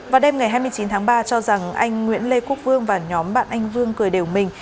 vào đêm ngày hai mươi chín tháng ba cho rằng anh nguyễn lê quốc vương và nhóm bạn anh vương cười đều mình